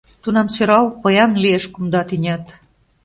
Тунам сӧрал, поян лиеш кумда тӱнят.